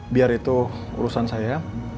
biar itu urusan saya